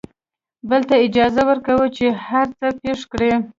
بل ته اجازه ورکوي چې هر څه پېښ کړي.